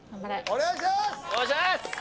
お願いします！